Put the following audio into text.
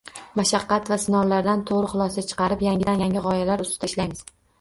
Mashaqqat va sinovlardan toʻgʻri xulosa chiqarib, yangidan yangi gʻoyalar ustida ishlaymiz.